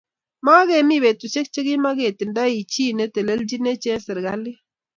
Makemi betusiek chekimaketindoi chi ne telechinech eng serikalit